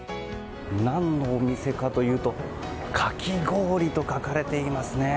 何のお店かというとかき氷と書かれていますね。